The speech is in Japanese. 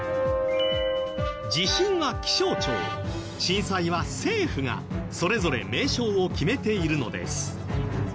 地震は気象庁震災は政府がそれぞれ名称を決めているのです。